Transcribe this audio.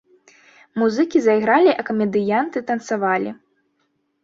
Музыкі зайгралі, а камедыянты танцавалі.